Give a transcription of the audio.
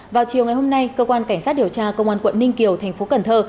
vào chiều ngày hôm nay cơ quan cảnh sát điều tra công an quận ninh kiều thành phố cần thơ